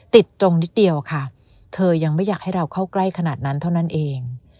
ตรงนิดเดียวค่ะเธอยังไม่อยากให้เราเข้าใกล้ขนาดนั้นเท่านั้นเอง